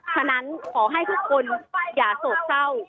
ฉะนั้นขอให้ทุกคนอย่าโศกเศร้า